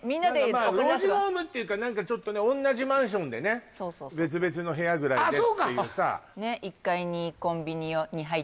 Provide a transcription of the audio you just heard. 老人ホームっていうかなんかちょっとねおんなじマンションでね別々の部屋ぐらいでっていうさあそうか！